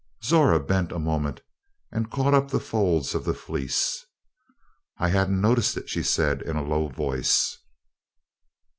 Zora bent a moment and caught up the folds of the Fleece. "I hadn't noticed it," she said in a low voice.